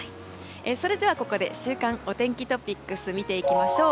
それでは、ここで週間お天気トピックスを見ていきましょう。